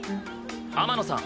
天野さん。